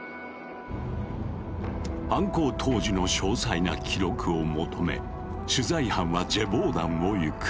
犯行当時の詳細な記録を求め取材班はジェヴォーダンを行く。